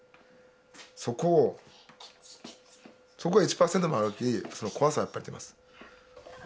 そこをそこが１％でもある時その怖さはやっぱり出ます。